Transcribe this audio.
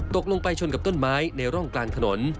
ตกลงไปชนกับต้นไม้ในร่องกลางถนน